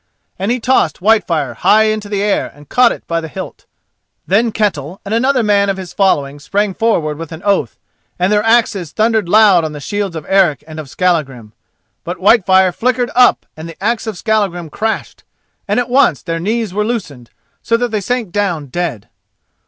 and he tossed Whitefire high into the air and caught it by the hilt. Then Ketel and another man of his following sprang forward with an oath, and their axes thundered loud on the shields of Eric and of Skallagrim. But Whitefire flickered up and the axe of Skallagrim crashed, and at once their knees were loosened, so that they sank down dead.